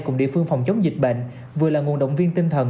cùng địa phương phòng chống dịch bệnh vừa là nguồn động viên tinh thần